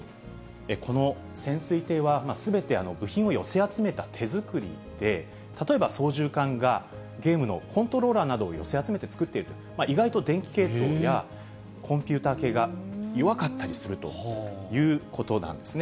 この潜水艇は、すべて部品を寄せ集めた手作りで、例えば操縦かんがゲームのコントローラーなどを寄せ集めて作っていると、意外と電気系統や、コンピューター系が弱かったりするということなんですね。